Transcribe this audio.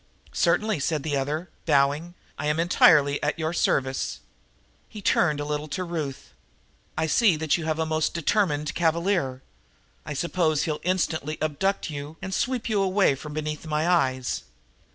"Certainly," said the other, bowing. "I am entirely at your service." He turned a little to Ruth. "I see that you have a most determined cavalier. I suppose he'll instantly abduct you and sweep you away from beneath my eyes?"